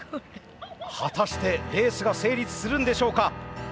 果たしてレースが成立するんでしょうか。